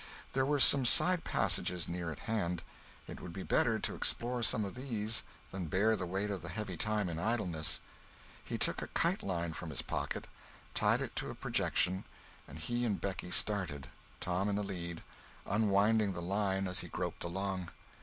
There were some side passages near at hand. It would be better to explore some of these than bear the weight of the heavy time in idleness. He took a kite line from his pocket, tied it to a projection, and he and Becky started, Tom in the lead, unwinding the line as he groped along.